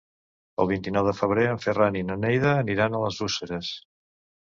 El vint-i-nou de febrer en Ferran i na Neida aniran a les Useres.